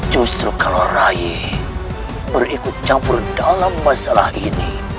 justru kalau ray berikut campur dalam masalah ini